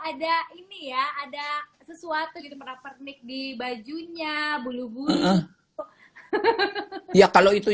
ada ini ya ada sesuatu gitu pernah pernik di bajunya bulu bulu ya kalau itu